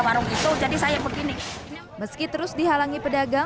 warung itu jadi saya begini meski terus dihalangi pedagang